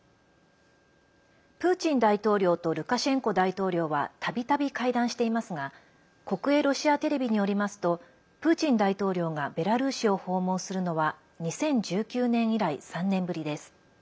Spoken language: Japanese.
プーチン大統領とルカシェンコ大統領はたびたび会談していますが国営ロシアテレビによりますとプーチン大統領がベラルーシを訪問するのは２０１９年以来３年ぶりです。